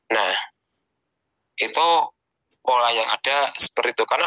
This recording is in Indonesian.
nah itu pola yang ada seperti itu